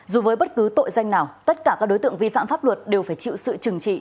dù với bất cứ tội danh nào tất cả các đối tượng vi phạm pháp luật đều phải chịu sự trừng trị